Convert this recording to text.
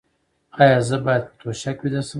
ایا زه باید په توشک ویده شم؟